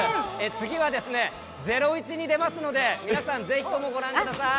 次は、ゼロイチに出ますので、皆さんぜひご覧ください。